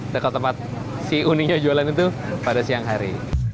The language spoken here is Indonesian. dekat tempat si uniknya jualan itu pada siang hari